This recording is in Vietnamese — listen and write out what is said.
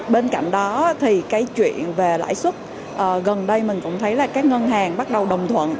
bên cạnh đó thì cái chuyện về lãi suất gần đây mình cũng thấy là các ngân hàng bắt đầu đồng thuận